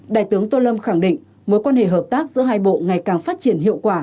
đại tướng tô lâm khẳng định mối quan hệ hợp tác giữa hai bộ ngày càng phát triển hiệu quả